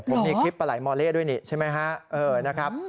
ผมมีคลิปปลาไหลมอเล่ด้วยนี่ใช่ไหมฮะนะครับ